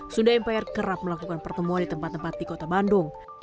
sunda empire kerap melakukan pertemuan di tempat tempat di kota bandung